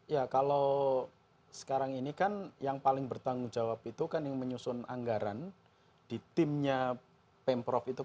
ya kalau sekarang ini kan yang paling bertanggung jawab itu kan yang menyusun anggaran di timnya pemprov itu